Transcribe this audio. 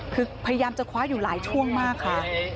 คือพยายามจะคว้าอยู่หลายช่วงมากค่ะ